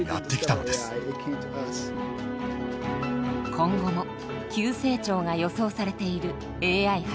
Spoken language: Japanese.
今後も急成長が予想されているＡＩ半導体。